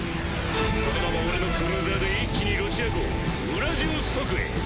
そのまま俺のクルーザーで一気にロシア港ウラジオストクへ。